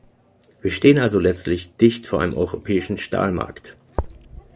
Wir stehen also letztlich dicht vor einem europäischen Stahlmarkt.